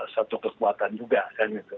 satu kekuatan juga kan gitu